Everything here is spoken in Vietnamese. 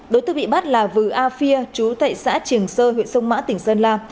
đối tượng bị bắt là vừa a phia chú tại xã trường sơ huyện sông mã tỉnh sơn la